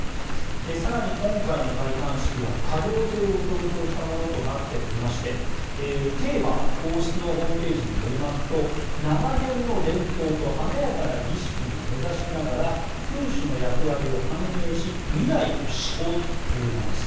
更に今回の戴冠式は多様性を強調したものとなっておりましてテーマは王室のホームページによりますと長年の伝統と華やかな儀式に根差しながら君主の役割を反映し未来を志向というものです。